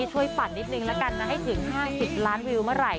ปั่นนิดนึงแล้วกันนะให้ถึง๕๐ล้านวิวเมื่อไหร